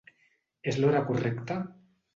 És l'hora correcta?